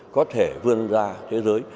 có thể vươn ra thế giới